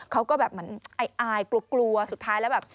เขาก็แบบเหมือนอายกลัวสุดท้ายแล้วแบบ